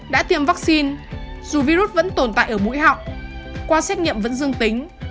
đã tiêm vắc xin dù virus vẫn tồn tại ở mũi họng qua xét nghiệm vẫn dương tính